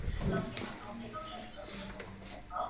东长安街是位于中国北京市东城区西部的一条街。